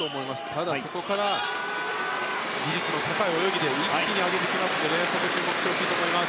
ただ、そこから技術の高い泳ぎで一気に上げていきますのでそこに注目してほしいと思います。